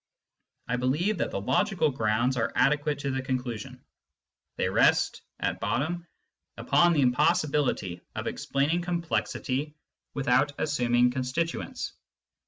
I believe that the logical grounds are adequate to the conclusion. They rest, at bottom, upon the impossibility of explaining complexity without assuming constituents.